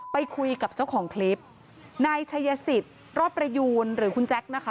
ไปคุยกับเจ้าของคลิปนายชัยสิทธิ์รอดประยูนหรือคุณแจ๊คนะคะ